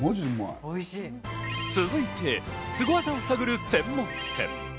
続いて、スゴ技を探る専門店。